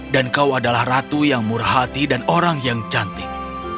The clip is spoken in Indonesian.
dan kau adalah ratu yang murhati dan orang yang cantik